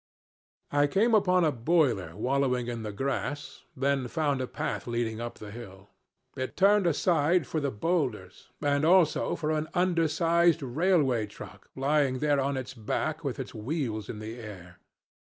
"I came upon a boiler wallowing in the grass, then found a path leading up the hill. It turned aside for the bowlders, and also for an undersized railway truck lying there on its back with its wheels in the air.